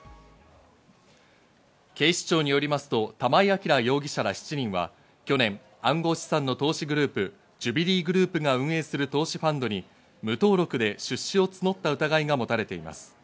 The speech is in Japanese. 警視庁によりますと玉井暁容疑者ら７人は、去年、暗号資産の投資グループ、ジュビリーグループが運営する投資ファンドに無登録で出資を募った疑いが持たれています。